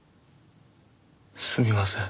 すみません。